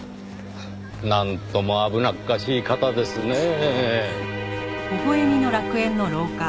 なんとも危なっかしい方ですねぇ。